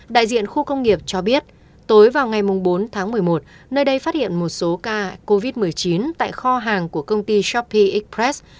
đại diện khu công nghiệp cho biết tối vào ngày bốn tháng một mươi một nơi đây phát hiện một số ca covid một mươi chín tại kho hàng của công ty shopee express